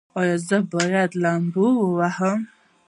ایا زه باید لامبو ووهم؟